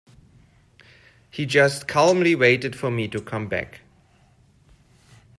He just calmly waited for me to come back.